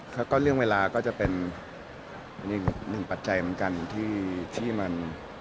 แล้วก็เรื่องเวลาก็จะเป็นหนึ่งปัจจัยเหมือนกันที่มัน